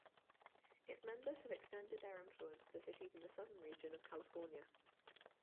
Its members have extended their influence to cities in the southern region of California.